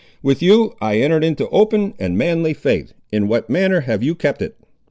With you, I entered into open and manly faith; in what manner have you kept it?"